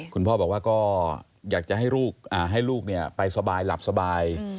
คุณพ่อบอกว่าก็อยากจะให้ลูกไปสบายหลับสบาย